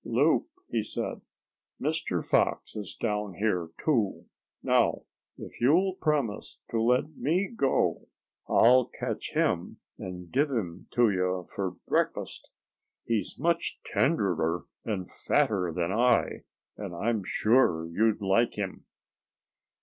"Loup," he said, "Mr. Fox is down here, too. Now if you'll promise to let me go, I'll catch him and give him to you for breakfast. He's much tenderer and fatter than I, and I'm sure you'd like him."